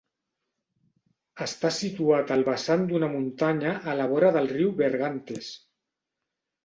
Està situat al vessant d'una muntanya a la vora del riu Bergantes.